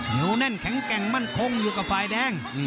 เหนียวแน่นแข็งแกร่งมั่นคงอยู่กับฝ่ายแดง